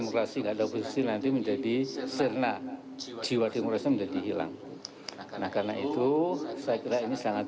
oposisi nanti menjadi serna jiwa timurresen menjadi hilang karena itu saya kira ini sangat